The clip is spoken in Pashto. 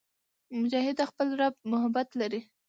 مجاهد د خپل رب محبت لري.